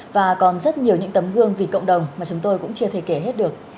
và còn rất nhiều những tấm gương vì cộng đồng mà chúng tôi cũng chưa thể kể hết được